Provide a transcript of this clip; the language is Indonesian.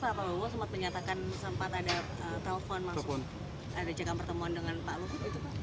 ada jaga pertemuan dengan pak luhut